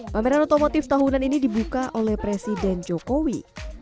pameran otomotif tahunan ini dibuka oleh presiden jokowi